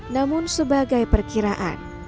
namun sebagai perkiraan